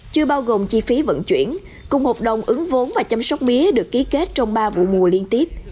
chưa bao gồm chi phí vận chuyển cùng hộp đồng ứng vốn và chăm sóc mía được ký kết trong ba vụ mùa liên tiếp